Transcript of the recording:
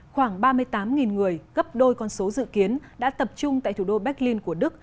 khoảng ba mươi tám người gấp đôi con số dự kiến đã tập trung tại thủ đô berlin của đức